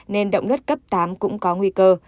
nên động đất cấp tám cũng có nguy cơ